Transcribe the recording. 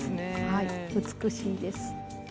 はい美しいです。